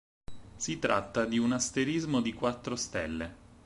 Si tratta di un asterismo di quattro stelle.